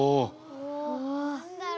何だろう？